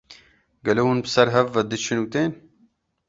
Gelo hûn bi ser hev ve diçin û tên?